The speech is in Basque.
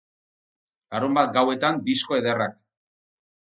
Larunbat gauetan disko ederrak.